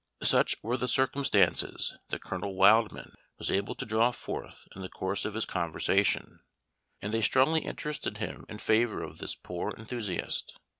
Such were the circumstances that Colonel Wildman was able to draw forth in the course of his conversation, and they strongly interested him in favor of this poor enthusiast.